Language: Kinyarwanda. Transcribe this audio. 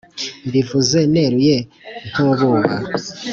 mbivuze neruye ntububa